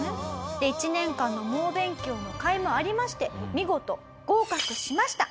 １年間の猛勉強の甲斐もありまして見事合格しました。